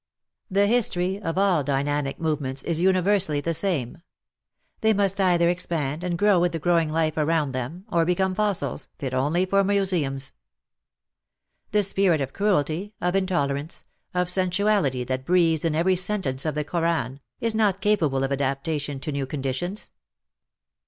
The history of all dynamic movements is universally the same. They must either expand and grow with the growing life around them, or become fossils, fit only for museums. The spirit of cruelty, of intolerance, of sensu ality that breathes in every sentence of the Koran, is not capable of adaptation to new conditions.